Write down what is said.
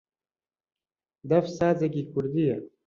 دەف سازێکی کوردییە